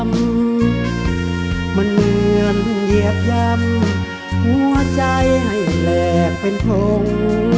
มันเหมือนเหยียบยำหัวใจให้แหลกเป็นทง